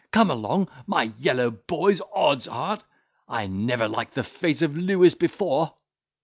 Come along, my yellow boys—odd's heart! I never liked the face of Lewis before."